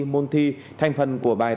môn thi thành phần của bài